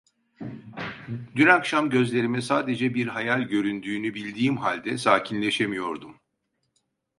Dün akşam gözlerime sadece bir hayal göründüğünü bildiğim halde sakinleşemiyordum.